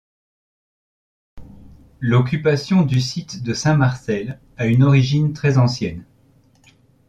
L'occupation du site de Saint-Marcel a une origine très ancienne.